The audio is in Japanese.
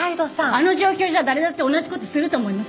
あの状況じゃ誰だって同じ事すると思います。